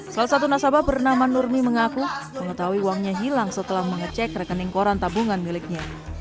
salah satu nasabah bernama nurmi mengaku mengetahui uangnya hilang setelah mengecek rekening koran tabungan miliknya